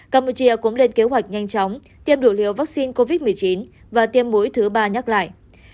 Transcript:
campuchia cũng lên kế hoạch nhanh chóng tiêm đủ liều vaccine covid một mươi chín và tiêm mũi thứ ba nhắc lại